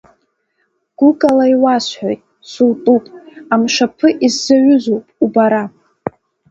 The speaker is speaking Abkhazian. Гәыкала иуасҳәоит, сутәуп, Амшаԥы исзаҩызоуп убара.